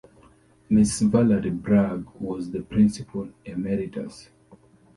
Mrs Valerie Bragg was the Principal Emeritus.